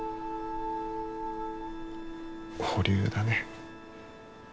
保留だね。